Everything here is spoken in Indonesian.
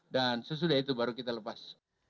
dan sesudah itu baru kita lepas